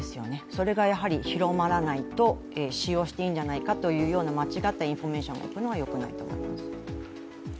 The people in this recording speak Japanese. それがやはり広まらないと使用していいんじゃないかという間違ったインフォメーションが広まるのはよくないですね。